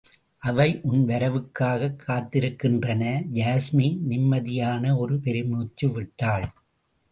அவை உன் வரவுக்காகக் காத்திருக்கின்றன! யாஸ்மி நிம்மதியான ஒரு பெருமூச்சு விட்டாள்.